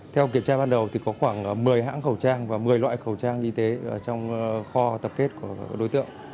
theo kiểm tra ban đầu có khoảng một mươi hãng khẩu trang và một mươi loại khẩu trang y tế ở trong kho tập kết của đối tượng